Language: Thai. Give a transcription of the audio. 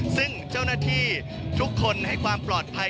ซึ่งเจ้าหน้าที่ทุกคนให้ความปลอดภัย